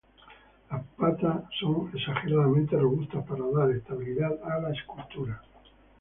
Las patas son exageradamente robustas para dar estabilidad a la escultura.